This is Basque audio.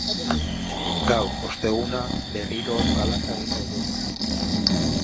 Gaur, osteguna, berriro hotz galanta egingo du.